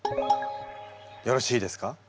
よろしいですか？